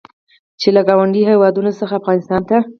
چې له ګاونډي هېواد څخه افغانستان ته